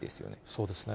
そうですね。